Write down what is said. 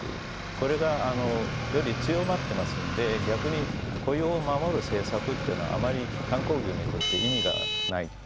これがより強まっていますので逆に雇用を守る政策というのはあまり観光業にとっては意味がない。